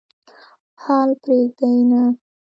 حال پرېږدي نه.